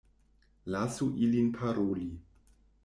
Lasu ilin paroli.